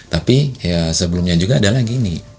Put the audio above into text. tapi ya sebelumnya juga adalah gini